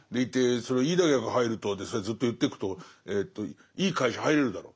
いい大学入るとでそれをずっと言ってくといい会社入れるだろ。